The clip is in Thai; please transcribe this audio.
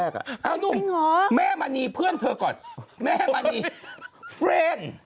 เอานุ่มแม่มณีเพื่อนเธอก่อนแม่มณีเฟรนด์